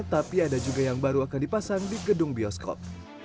tapi ada juga yang baru akan dipasang di gedung bioskop